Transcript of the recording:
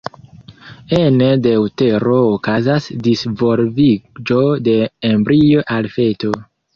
Ene de utero okazas disvolviĝo de embrio al feto.